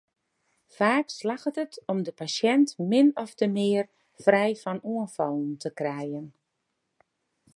Faak slagget it om de pasjint min ofte mear frij fan oanfallen te krijen.